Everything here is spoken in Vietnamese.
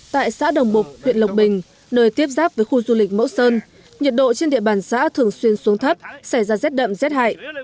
tại xã đồng bục huyện lộc bình nơi tiếp giáp với khu du lịch mẫu sơn nhiệt độ trên địa bàn xã thường xuyên xuống thấp xảy ra rét đậm rét hại